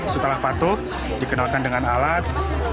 setelah patuh dikenalkan dengan alat